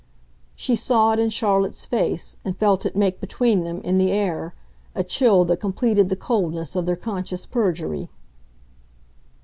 She saw it in Charlotte's face, and felt it make between them, in the air, a chill that completed the coldness of their conscious perjury.